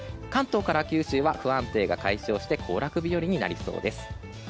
九州は不安定な天気が解消して行楽日和になりそうです。